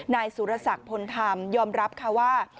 นายสุรสักย์โอนทำยอมรับว่า